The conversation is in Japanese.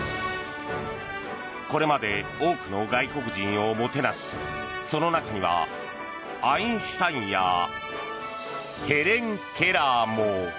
これまで多くの外国人をもてなしその中には、アインシュタインやヘレン・ケラーも。